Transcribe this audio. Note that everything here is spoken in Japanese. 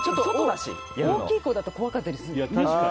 大きい子だと怖かったりするよね。